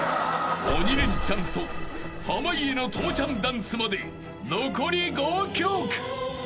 ［鬼レンチャンと濱家の朋ちゃんダンスまで残り５曲］